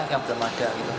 yang belum ada